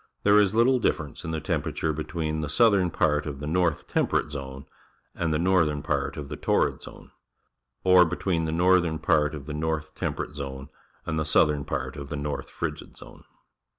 There is little difference in temperature between the southern part of the North Temperate Zone and the northern part of the Torrid Zone, or between the northern part of the North Temperate Zone and the southern part of the North Frigid Zone.